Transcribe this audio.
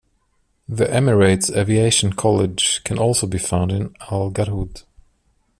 The Emirates Aviation College can also be found in Al Garhoud.